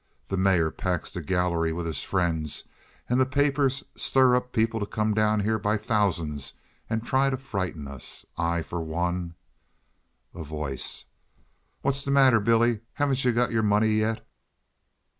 The mayor packs the gallery with his friends, and the papers stir up people to come down here by thousands and try to frighten us. I for one—" A Voice. "What's the matter, Billy? Haven't you got your money yet?"